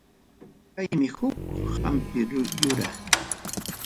Kaymi huk hampiq yura.